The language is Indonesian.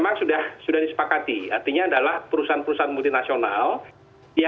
nah dengar sepertinya oke